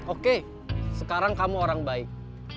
oke sekarang kamu orang baik